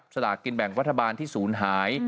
สละกินแบ่งวัฒนาบารณ์ที่สูญหาย